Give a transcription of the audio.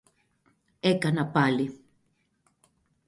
έκανα πάλι.